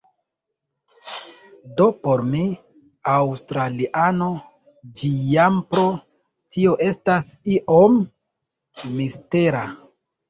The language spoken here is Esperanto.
Do por mi, aŭstraliano, ĝi jam pro tio estas iom mistera.